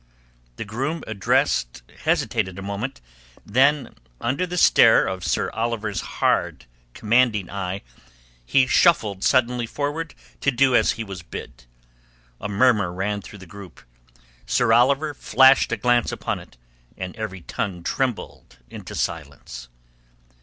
The groom addressed hesitated a moment, then, under the stare of Sir Oliver's hard, commanding eye, he shuffled sullenly forward to do as he was bid. A murmur ran through the group. Sir Oliver flashed a glance upon it, and every tongue trembled into silence.